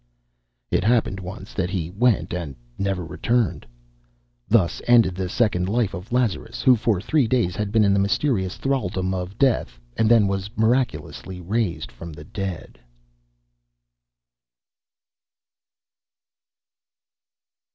It happened once that he went and never returned. Thus ended the second life of Lazarus, who for three days had been in the mysterious thraldom of death and then was miraculously raised from the dead.